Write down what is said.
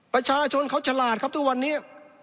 ประชาชนเขาฉลาดครับทุกวันนี้